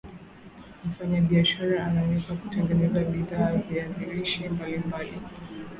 Mfanyabishara anaweza kutengeneza bidhaa viazi lishe mbali mbali